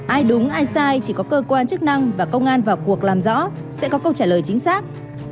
ai đúng ai sai chỉ có cơ quan chức năng và công an vào cuộc làm rõ sẽ có câu trả lời chính xác